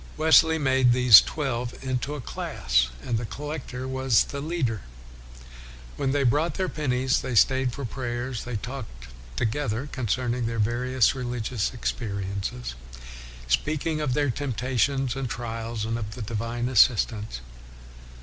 Wesley made these twelve into a " class/ 1 and the collector was the " leader.'' When they brought their pennies, they stayed for prayers; they talked together concerning their various religious experiences, speaking of their temptations and trials and of the divine assistance.